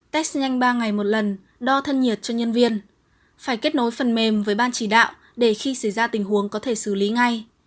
test nhanh ba ngày một lần đo thân nhiệt cho nhân viên phải kết nối phần mềm với ban chỉ đạo để khi xảy ra tình huống có thể xử lý ngay